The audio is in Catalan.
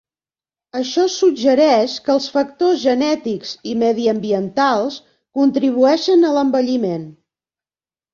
Això suggereix que els factors genètics i mediambientals contribueixen a l'envelliment.